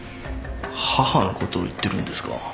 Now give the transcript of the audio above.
母のことを言ってるんですか？